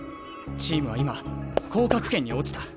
チームは今降格圏に落ちた。